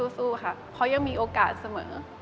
สู้ค่ะเพราะยังมีโอกาสเสมอ